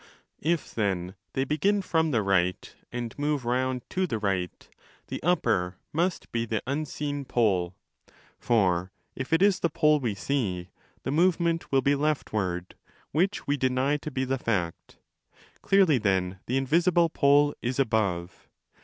If then they begin from the right and move round to the right, the upper must be the unseen pole. For if it is the pole we see, the movement will be leftward, which we deny to be the fact. Clearly then the invisible pole is above.